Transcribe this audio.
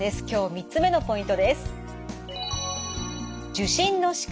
今日３つ目のポイントです。